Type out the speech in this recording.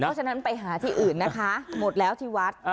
เพราะฉะนั้นไปหาที่อื่นนะคะหมดแล้วที่วัด